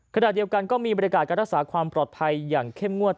ขณะเดียวกันก็มีบริการการรักษาความปลอดภัยอย่างเข้มงวด